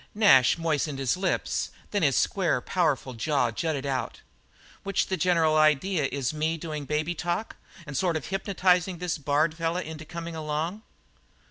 Nash moistened his lips, then his square, powerful jaw jutted out. "Which the general idea is me doing baby talk and sort of hypnotizing this Bard feller into coming along?"